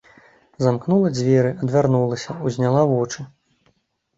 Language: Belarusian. Замкнула дзверы, адвярнулася, узняла вочы.